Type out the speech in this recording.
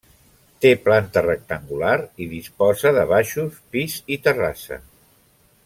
Té planta rectangular i disposa de baixos, pis i terrassa.